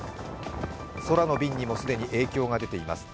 空の便にも既に影響が出ています。